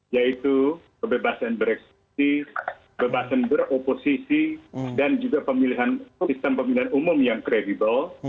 yaitu kebebasan berekspresi kebebasan beroposisi dan juga sistem pemilihan umum yang credible